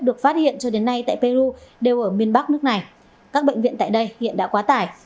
được phát hiện cho đến nay tại peru đều ở miền bắc nước này các bệnh viện tại đây hiện đã quá tải